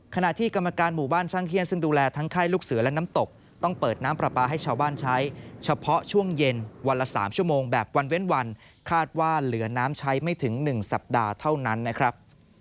ขณะที่กรรมการหมู่บ้านช่างเฮียนซึ่งดูแลทั้งค่ายลูกเสือและน้ำตกต้องเปิดน้ำปลาปลาให้ชาวบ้านใช้เฉพาะช่วงเย็นวันละ๓ชั่วโมงแบบวันเว้นวันคาดว่าเหลือน้ำใช้ไม่ถึง๑สัปดาห์เท่านั้นนะครับ